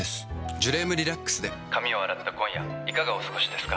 ジュレームリラックスで髪を洗った今夜いかがお過ごしですか。